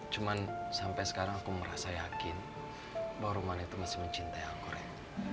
cuma sampai sekarang aku merasa yakin bahwa rumahnya itu masih mencintai aku rek